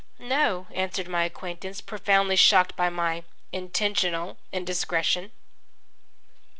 "No," answered my acquaintance, profoundly shocked by my intentional indiscretion.